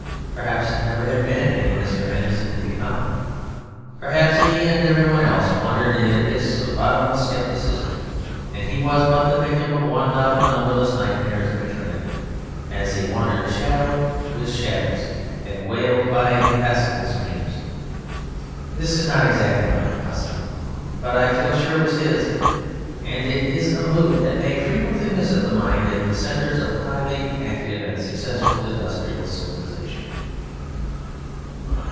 Perhaps there never had been any Mr. Anderson to be found. Perhaps he and every one else wandered in an abyss of bottomless scepticism; and he was but the victim of one out of numberless nightmares of eternity, as he wandered a shadow with shadows and wailed by impassable streams. This is not exactly my philosophy, but I feel sure it was his. And it is a mood that may frequently visit the mind in the centres of highly active and successful industrial civilisation.